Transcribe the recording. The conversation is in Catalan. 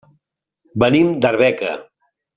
Venim d'Arbeca.